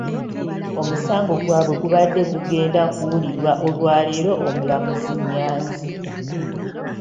Omusango gwabwe gubadde gugenda kuwulirwa olwaleero omulamuzi Nyanzi.